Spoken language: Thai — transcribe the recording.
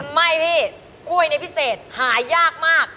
ไม่พี่กล้วยนี่พิเศษหายากมาก